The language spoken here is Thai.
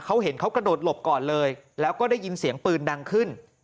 เขาเห็นเขากระโดดหลบก่อนเลยแล้วก็ได้ยินเสียงปืนดังขึ้น